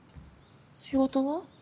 仕事は？